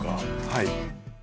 はい。